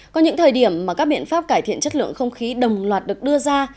có những thời điểm mà các biện pháp cải thiện chất lượng không khí đồng loạt được đưa ra